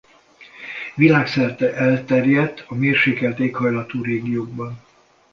Világszerte elterjedt a mérsékelt éghajlatú régiókban.